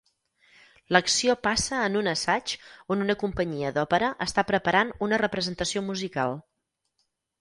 L'acció passa en un assaig on una companyia d'òpera està preparant una representació musical.